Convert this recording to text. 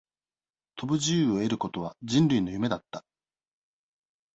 飛ぶ自由を得ることは、人類の夢だった。